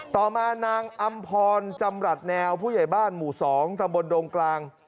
ต่อมานางอำพรจำรัฐแนวผู้ใหญ่บ้านหมู่๒ตำบลดงกลาง